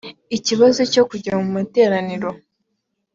ikibazo cya kujya mu materaniro